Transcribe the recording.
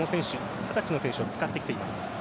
２０歳の選手を使ってきています。